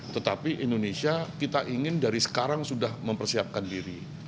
tetapi indonesia kita ingin dari sekarang sudah mempersiapkan diri